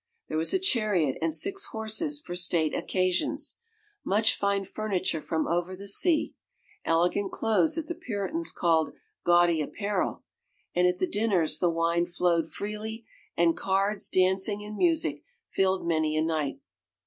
There was a chariot and six horses for state occasions, much fine furniture from over the sea, elegant clothes that the Puritans called "gaudy apparel," and at the dinners the wine flowed freely, and cards, dancing and music filled many a night.